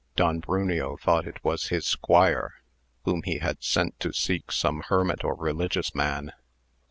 Don Bruneo thought it was his squire, whom he had sent to seek some hermit or religious man.